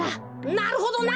なるほどな！